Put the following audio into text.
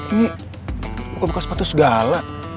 ini buka buka sepatu segala